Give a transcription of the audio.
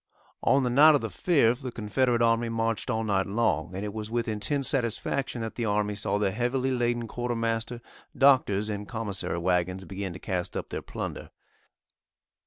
On the night of the 5th the Confederate army marched all night long, and it was with intense satisfaction that the army saw the heavily laden Quartermaster, Doctors' and Commissary wagons begin to cast up their plunder.